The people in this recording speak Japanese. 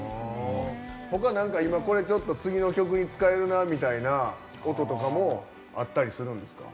ほか何か今これちょっと次の曲に使えるなみたいな音とかもあったりするんですか？